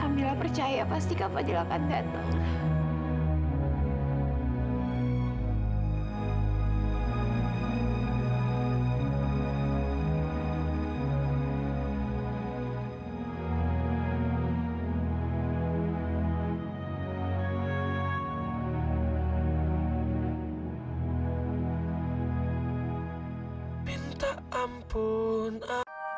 kamilah percaya pasti kapal jelakan datang